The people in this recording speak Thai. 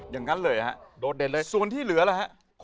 อย่างงั้นเลยครับส่วนที่เหลืออะไรครับ